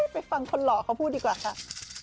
ไปฟังคนหล่อเขาพูดดีกว่าค่ะ